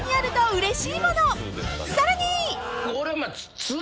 ［さらに］俺。